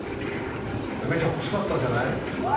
梅ちゃん、欲しかったんじゃない？